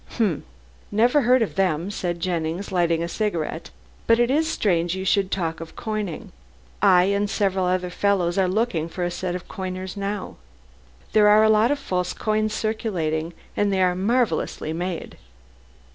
"Humph! Never heard of them," said Jennings, lighting his cigarette, "but it is strange you should talk of coining. I and several other fellows are looking for a set of coiners now. There are a lot of false coins circulating, and they are marvellously made.